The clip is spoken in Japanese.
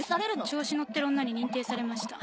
「調子乗ってる女に認定されました」。